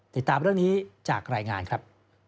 ติดตามเรื่องนี้จากรายงานครับ